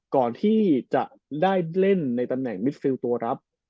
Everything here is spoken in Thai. ก่อนที่จะได้เล่นในตำแหน่งมิดฟิลตัวรับ